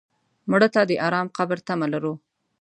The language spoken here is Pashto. مړه ته د ارام قبر تمه لرو